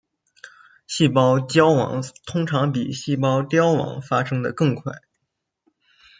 细胞焦亡通常比细胞凋亡发生的更快。